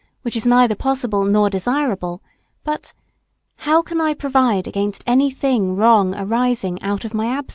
which is neither possible nor desirable, but) how can I provide against anything wrong arising out of my absence?